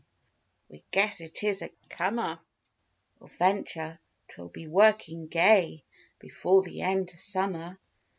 We guess it is a comer. We'll venture—'twill be working gay Before the end of summer.